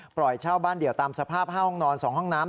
ปล่อยเช่าบ้านเดี่ยวตามสภาพ๕ห้องนอน๒ห้องน้ำ